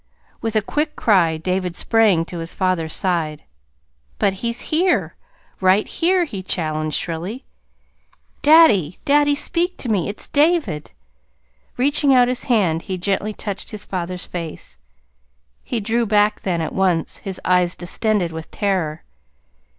With a quick cry David sprang to his father's side. "But he's here right here," he challenged shrilly. "Daddy, daddy, speak to me! It's David!" Reaching out his hand, he gently touched his father's face. He drew back then, at once, his eyes distended with terror.